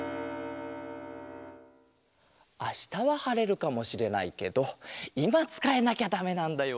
あしたははれるかもしれないけどいまつかえなきゃだめなんだよ